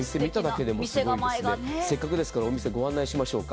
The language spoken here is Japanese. せっかくですから、お店ご案内しましょうか。